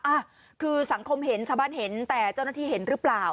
อ่ะคือสังคมเห็นชาวบ้านเห็นแต่เจ้าหน้าที่เห็นหรือเปล่า